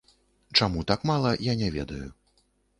Чаму так мала, я не ведаю.